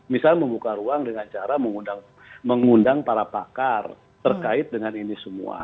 misalnya membuka ruang dengan cara mengundang para pakar terkait dengan ini semua